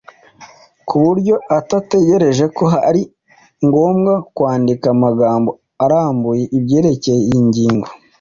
ku buryo atatekereje ko ari ngombwa kwandika magambo arambuye ibyerekeye iyi ngingo.